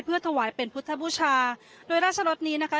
เพื่อถวายเป็นพุทธบูชาโดยราชรสนี้นะคะ